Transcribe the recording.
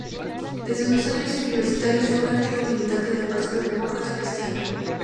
Desde sus años universitarios fue un activo militante del Partido Demócrata Cristiano.